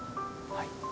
はい。